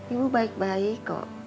ibu baik baik kok